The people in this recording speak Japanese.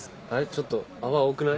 ちょっと泡多くない？